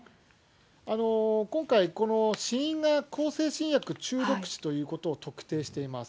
今回、死因が向精神薬中毒死ということを特定しています。